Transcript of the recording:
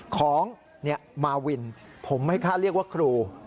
ของมาวินผมไม่กล้าเรียกว่าครู